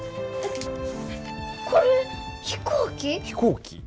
これ、飛行機？